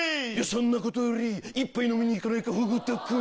そんなことより一杯飲みに行かないかフグ田君。